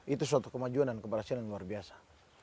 itu suatu kemajuan dan keberhasilan yang luar biasa